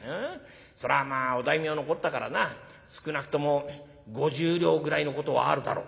そりゃまあお大名のこったからな少なくとも５０両ぐらいのことはあるだろう」。